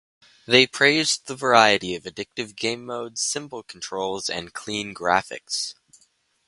They praised the variety of addictive game modes, simple controls, and clean graphics.